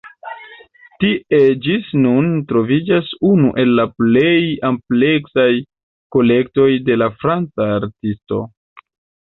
Tie ĝis nun troviĝas unu el la plej ampleksaj kolektoj de la franca artisto.